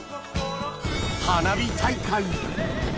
花火大会